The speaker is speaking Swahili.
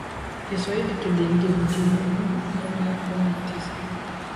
Kiswahili kiliingia nchini humo karne ya kumi na tisa